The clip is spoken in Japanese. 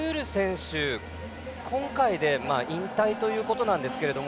今回で引退ということなんですが。